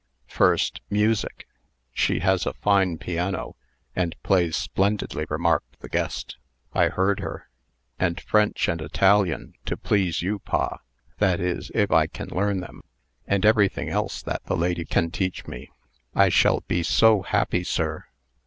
First, music " "She has a fine piano, and plays splendidly," remarked the guest. "I heard her." "And French and Italian, to please you, pa that is, if I can learn them and everything else that the lady will teach me. I shall be so happy, sir."